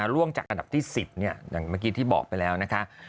ล่วงจากอันดับที่๑๐อย่างเมื่อกี้ที่บอกไปแล้วนะคะ